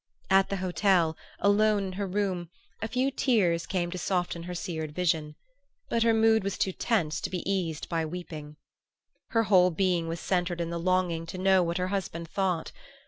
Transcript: At the hotel, alone in her room, a few tears came to soften her seared vision; but her mood was too tense to be eased by weeping. Her whole being was centred in the longing to know what her husband thought.